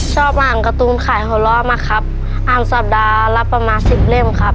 อ่างการ์ตูนขายหัวเราะมาครับอ่างสัปดาห์ละประมาณสิบเล่มครับ